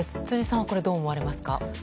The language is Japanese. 辻さん、これどう思われますか？